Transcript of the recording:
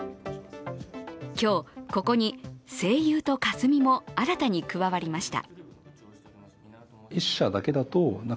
今日、ここに西友とカスミも新たに加わりました。